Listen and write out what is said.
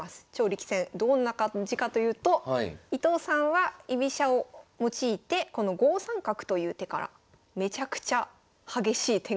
どんな感じかというと伊藤さんは居飛車を用いてこの５三角という手からめちゃくちゃ激しい展開になりました。